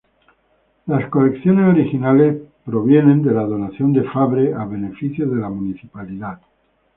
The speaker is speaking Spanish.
Las colecciones originales provienen de la donación de Fabre a beneficio de la municipalidad.